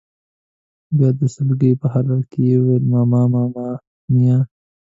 بیا د سلګۍ په حالت کې یې وویل: ماما ماما میا.